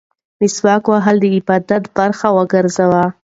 مسواک وهل د عبادت برخه وګرځوئ.